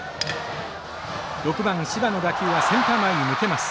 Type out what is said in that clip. ６番柴の打球はセンター前に抜けます。